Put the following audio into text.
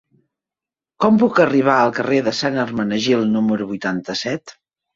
Com puc arribar al carrer de Sant Hermenegild número vuitanta-set?